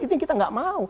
itu yang kita gak mau